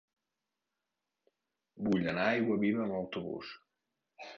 Vull anar a Aiguaviva amb autobús.